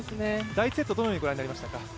第１セット、どのようにご覧になりましたか。